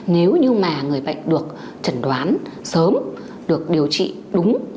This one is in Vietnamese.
nếu như mà người bệnh được trần đoán sớm được điều trị đúng